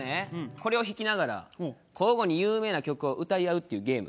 これを弾きながら交互に有名な曲を歌い合うっていうゲームどう？